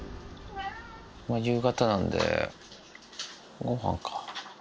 夕方なんで、ごはんか。